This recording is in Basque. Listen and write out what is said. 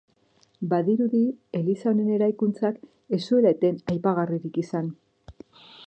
Badirudi eliza honen eraikun-tzak ez zuela eten aipagarririk izan.